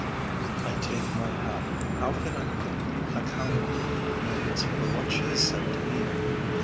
I take my hat: how can I make a cowardly amends For what she has said to me?